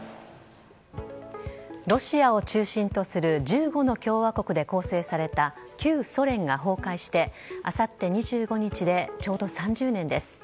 ロシアを中心とする１５の共和国で構成された旧ソ連が崩壊してあさって２５日でちょうど３０年です。